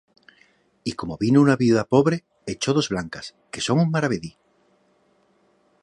Y como vino una viuda pobre, echó dos blancas, que son un maravedí.